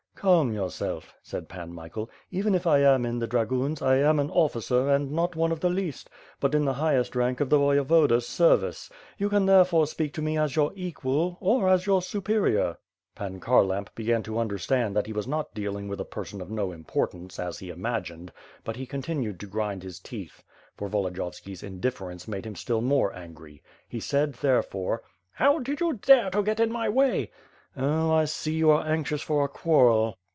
"Calm yourself," said Pan Michael, "even if I am in the dragoons, I am an officer and not one of the least, but in the highest rank of the Voyevoda's service. You can there fore speak to me as your equal, or as your superior." Pan Kharlamp began to understand that he was not deal ing with a person of no importance, as he imagined; but he continued to grind his teeth, for Yolodiyovski's indifference made him still more angry. He said, therefore: "How did you dare to get in my way?" "Oh, I see you are anxious for a quarrel."